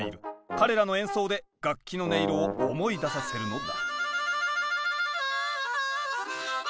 彼らの演奏で楽器の音色を思い出させるのだ。